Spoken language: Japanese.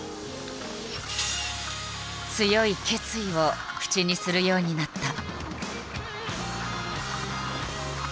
強い決意を口にするようになった。